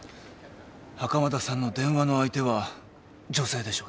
袴田さんの電話の相手は女性でしょうね。